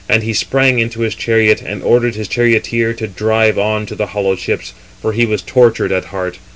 And he sprang into his chariot, and ordered his charioteer to drive on to the hollow ships; for he was tortured at heart.